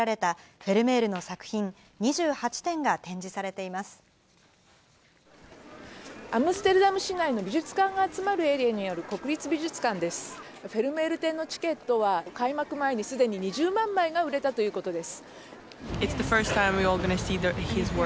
フェルメール展のチケットは、開幕前にすでに２０万枚が売れたということです。